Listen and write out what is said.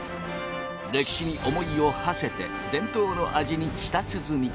歴史に思いを馳せて伝統の味に舌鼓。